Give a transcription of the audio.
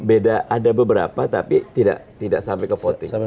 beda ada beberapa tapi tidak sampai ke voting